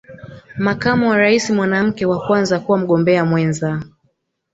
Makamu wa rais mwanamke wa Kwanza kuwa Mgombea Mwenza